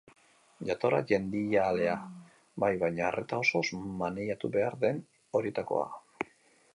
Jatorra jendilajea, bai, baina arreta osoz maneiatu behar den horietakoa.